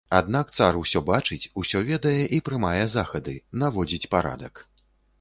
Аднак цар усё бачыць, усё ведае і прымае захады, наводзіць парадак.